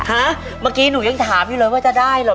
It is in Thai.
เหรอเมื่อกี๊หนูยังถามอยู่เลยว่าจะได้หรือเปล่า